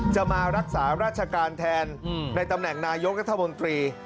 จะมารักษาราชการแทนในตำแหน่งนายกรัฐมนตรี